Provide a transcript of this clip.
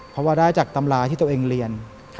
เพราะว่าได้จากตำราที่ตัวเองเรียน